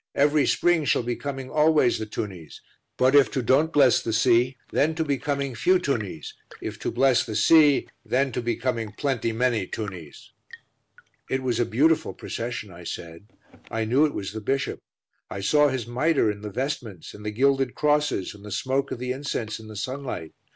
Every spring shall be coming always the tunnies, but if to don't bless the sea, then to be coming few tunnies; if to bless the sea then to be coming plenty many tunnies." "It was a beautiful procession," I said. "I knew it was the bishop; I saw his mitre and the vestments and the gilded crosses and the smoke of the incense in the sunlight.